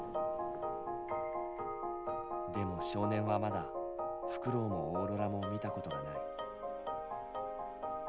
でも少年はまだフクロウもオーロラも見たことがない。